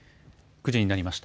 ９時になりました。